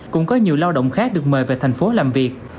cũng có nhiều lao động khác được mời về thành phố làm việc